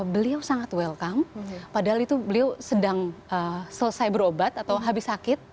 beliau sangat welcome padahal itu beliau sedang selesai berobat atau habis sakit